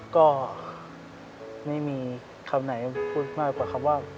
ก็ไม่มีคำไหนพูดมากกว่าคำว่า